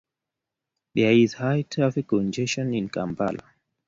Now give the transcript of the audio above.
There is high traffic congestion in Kampala.